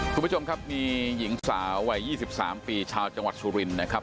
คุณผู้ชมครับมีหญิงสาววัย๒๓ปีชาวจังหวัดสุรินนะครับ